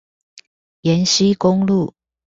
延溪公路